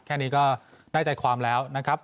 แค่นี้ก็ได้ใจความแล้วนะครับ